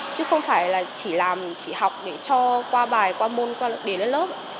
chứ không phải là chỉ làm chỉ học để cho qua bài qua môn qua lực đề lên lớp